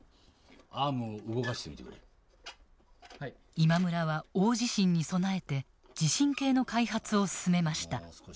今村は大地震に備えて地震計の開発を進めました。